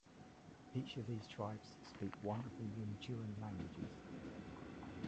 Each of these tribes speak one of the Wintuan languages.